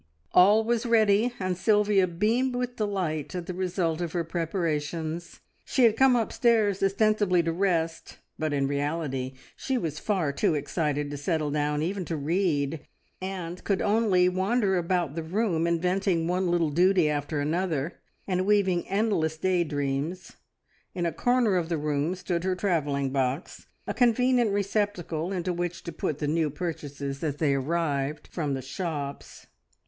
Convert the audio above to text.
All was ready, and Sylvia beamed with delight at the result of her preparations. She had come upstairs ostensibly to rest, but in reality she was far too excited to settle down even to read, and could only wander about the room inventing one little duty after another, and weaving endless day dreams. In a corner of the room stood her travelling box, a convenient receptacle into which to put the new purchases as they arrived from the shops.